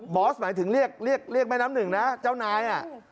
อสหมายถึงเรียกเรียกแม่น้ำหนึ่งนะเจ้านาย